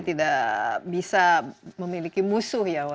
jadi ini mungkin anda bisa memiliki musuh ya